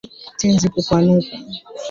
Tezi kupanuka